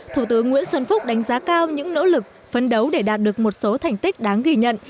thủ tướng nguyễn xuân phúc đánh giá cao những nỗ lực phấn đấu để đạt được một số thành tích đáng ghi nhận